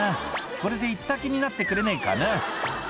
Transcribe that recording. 「これで行った気になってくれないかな」